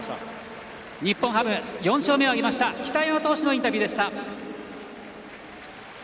日本ハム４勝目を挙げた北山投手のインタビューでした。